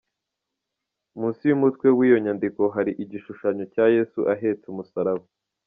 Munsi y’umutwe w’iyo nyandiko hari igishushanyo cya Yesu ahetse umusaraba.